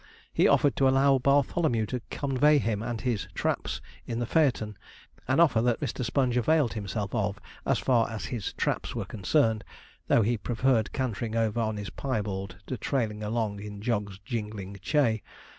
He offered to allow Bartholomew to convey him and his 'traps' in the phaeton an offer that Mr. Sponge availed himself of as far as his 'traps' were concerned, though he preferred cantering over on his piebald to trailing along in Jog's jingling chay.